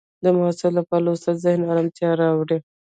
د محصل لپاره لوستل ذهني ارامتیا راولي.